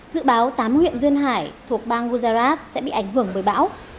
dự báo tám huyện duyên hải thuộc bang guzarat sẽ bị ảnh hưởng bởi bão